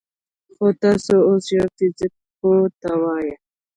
خو تاسو اوس يوه فزيك پوه ته ووايئ: